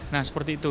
nah seperti itu